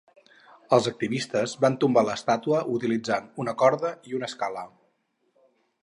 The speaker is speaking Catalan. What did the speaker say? Els activistes van tombar l’estàtua utilitzant una corda i una escala.